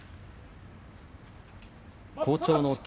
好調の霧